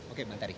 oke mbak tarik